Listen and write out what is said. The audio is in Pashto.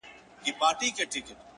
زه به يې ياد يم که نه!